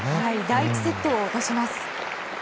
第１セットを落とします。